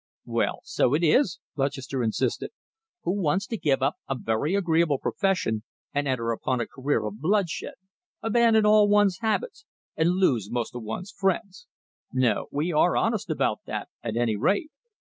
"Well, so it is," Lutchester insisted. "Who wants to give up a very agreeable profession and enter upon a career of bloodshed, abandon all one's habits, and lose most of one's friends? No, we are honest about that, at any rate!